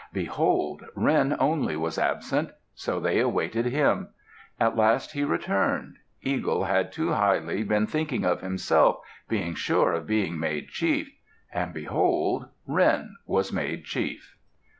Behold! Wren only was absent. So they awaited him. At last he returned. Eagle had too highly been thinking of himself, being sure of being made chief; and behold! Wren was made chief.